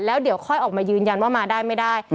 แล้วเดี๋ยวค่อยออกมายืนยันว่ามาได้ไม่ได้